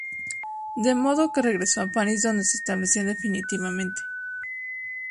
De modo que regresó a París, donde se estableció definitivamente.